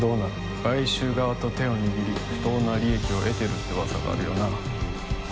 買収側と手を握り不当な利益を得てるって噂があるよなあ